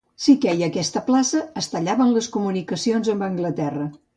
Si queia aquesta plaça, es tallaven les comunicacions amb Anglaterra.